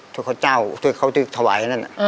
ทั่วข้าวที่ถวายอันนั้น